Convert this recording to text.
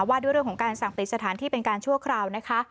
ว่าด้วยเรื่องของการสั่งปิดสถานที่เป็นการชั่วคราวนะคะ